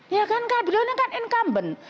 ya kan beliau kan incumbent